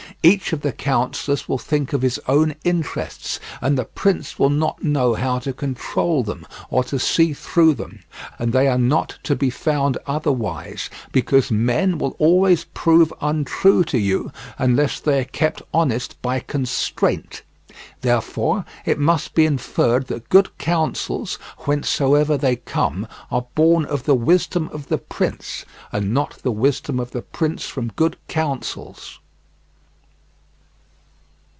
Each of the counsellors will think of his own interests, and the prince will not know how to control them or to see through them. And they are not to be found otherwise, because men will always prove untrue to you unless they are kept honest by constraint. Therefore it must be inferred that good counsels, whencesoever they come, are born of the wisdom of the prince, and not the wisdom of the prince from good counsels.